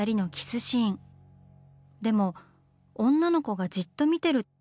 でも女の子がじっと見てる。